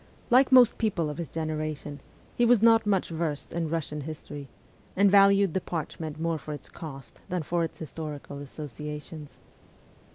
.Like most people of his generation, he was not much versed in Russian history, and valued the parchment more for its cost than for its historical associations.